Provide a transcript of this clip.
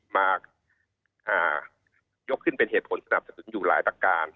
มายกขึ้นเป็นเหตุผลสนับสนุนอยู่หลายประการ